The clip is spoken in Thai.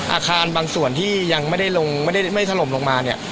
อาคารบางส่วนที่ยังไม่ได้ลงไม่ได้ถล่มลงมาเนี่ย